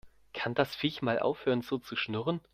Kann das Viech mal aufhören so zu schnurren?